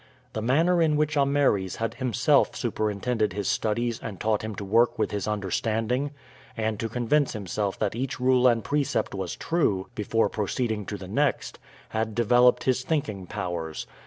The manner in which Ameres had himself superintended his studies and taught him to work with his understanding, and to convince himself that each rule and precept was true before proceeding to the next, had developed his thinking powers.